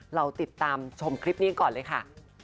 เราติดตามชมคลิปนี้ก่อนเลยค่ะ